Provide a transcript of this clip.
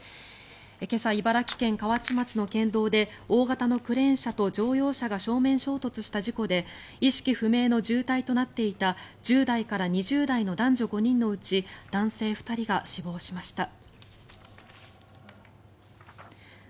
今朝、茨城県河内町の県道で大型のクレーン車と乗用車が正面衝突した事故で意識不明の重体となっていた１０代から２０代の男女５人のうち男性２人が死亡しました。